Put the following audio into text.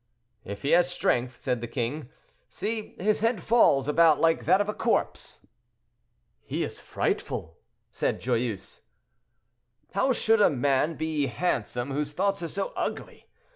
"If he has strength," said the king. "See, his head falls about like that of a corpse." "He is frightful," said Joyeuse. "How should a man be handsome whose thoughts are so ugly?